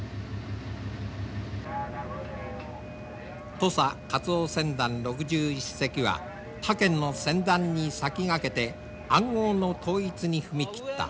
土佐カツオ船団６１隻は他県の船団に先駆けて暗号の統一に踏み切った。